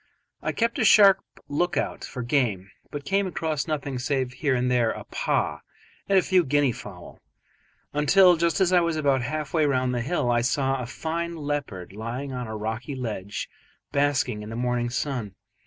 I kept a sharp look out for game, but came across nothing save here and there a paa and a few guinea fowl, until, just as I was about half way round the hill, I saw a fine leopard lying on a rocky ledge basking in the morning sun.